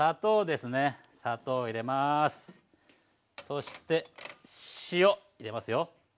そして塩入れますよ。